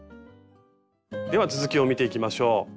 では続きを見ていきましょう。